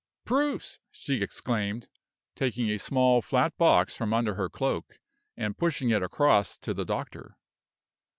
"Proofs!" she exclaimed, taking a small flat box from under her cloak, and pushing it across to the doctor.